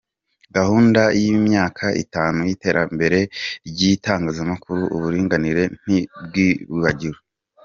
Gahunda y’imyaka itanu y’iterambere ry’itangazamakuru, uburinganire ntibwibagiwe.